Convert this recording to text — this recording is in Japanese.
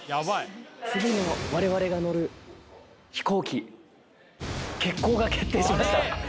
次に我々が乗る飛行機欠航が決定しました。